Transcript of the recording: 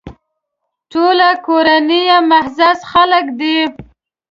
ټوله کورنۍ یې معزز خلک دي.